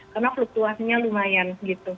karena fluktuasinya lumayan gitu